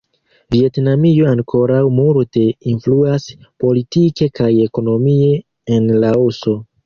Vjetnamio ankoraŭ multe influas politike kaj ekonomie en Laoso.